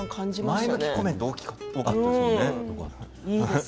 前向きコメントが多かったですよね。